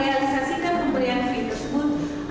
guna merealisasikan pemberian fee tersebut